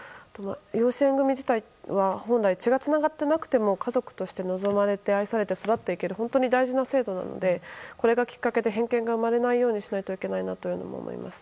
養子縁組自体は本来血がつながっていなくても家族として望まれて愛されて育っていける本当に大事な制度なのでこれがきっかけで偏見が生まれないようにしないといけないなと思います。